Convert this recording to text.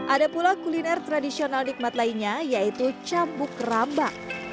ada pula kuliner tradisional nikmat lainnya yaitu cambuk rambak